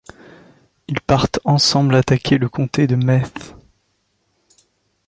Ils partent ensemble attaquer le comté de Meath.